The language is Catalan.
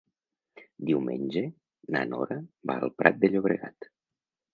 Diumenge na Nora va al Prat de Llobregat.